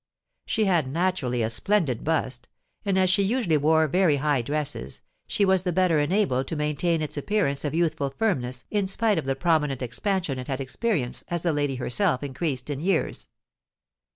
She had naturally a splendid bust; and as she usually wore very high dresses, she was the better enabled to maintain its appearance of youthful firmness in spite of the prominent expansion it had experienced as the lady herself increased in years.